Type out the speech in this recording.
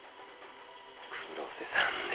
黒瀬さんね